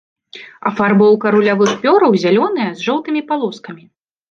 Афарбоўка рулявых пёраў зялёная з жоўтымі палоскамі.